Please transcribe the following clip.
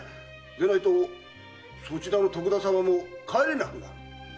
でないとそちらの徳田様も帰れなくなる。